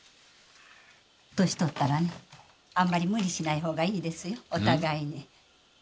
年取ったらねあんまり無理しないほうがいいですよお互いに。